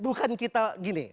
bukan kita gini